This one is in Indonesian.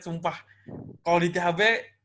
sumpah kalo di ithb